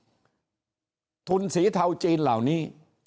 ก็มาเมืองไทยไปประเทศเพื่อนบ้านใกล้เรา